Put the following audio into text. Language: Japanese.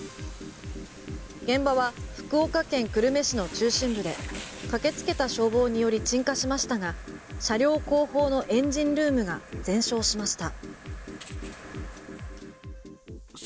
現場は福岡県久留米市の中心部で駆けつけた消防により鎮火しましたが車両後方のエンジンルームが全焼しました。